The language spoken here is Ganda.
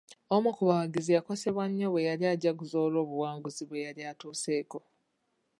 Omu ku bawagizi yakosebwa nnyo bweyali ajaguza olw'obuwanguzi bwe yali atuuseko.